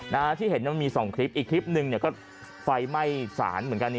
นะฮะที่เห็นมันมีสองคลิปอีกคลิปหนึ่งเนี่ยก็ไฟไหม้สารเหมือนกัน